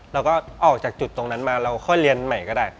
เราก็ออกจากจุดตรงนั้นมาเราค่อยเรียนใหม่ก็ได้